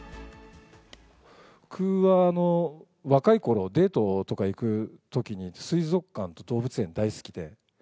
僕は若いころ、デートとか行くときに、水族館と動物園大好きで。